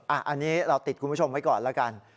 อันนี้เราติดคุณผู้ชมไว้ก่อนแล้วกัน